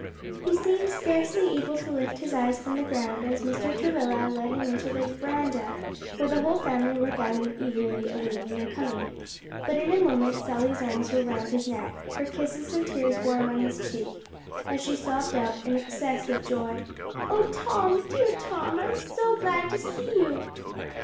He seemed scarcely able to lift his eyes from the ground as Mr. Travilla led him into the veranda where the whole family were gathered eagerly awaiting their coming; but in a moment Sally's arms were round his neck, her kisses and tears warm on his cheek, as she sobbed out in excess of joy, "O Tom, dear Tom, I'm so glad to see you!"